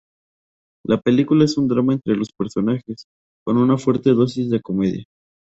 La película es un drama entre los personajes, con una fuerte dosis de comedia.